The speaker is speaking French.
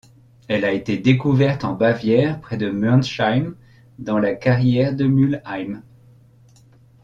Elle a été découverte en Bavière près de Mörnsheim dans la carrière de Mühlheim.